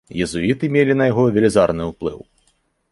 Езуіты мелі на яго велізарны ўплыў.